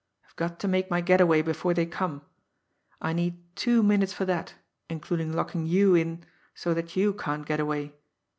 I've got to make my getaway before they come. I need two minutes for that, including locking you in so that you can't get away.